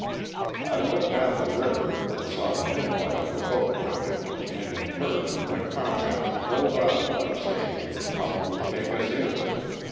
I looked down the river and saw the headlight of a boat coming, and encour aged my comrade to hold on by saying it would prob ably take us in.